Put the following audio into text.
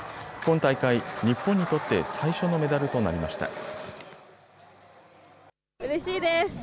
今大会、日本にとって最初のメダルとなりました。